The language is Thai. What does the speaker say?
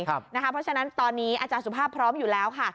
เพราะฉะนั้นตอนนี้อาจารย์สุภาพพร้อมอยู่แล้วค่ะ